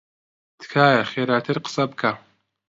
تکایە خێراتر قسە بکە.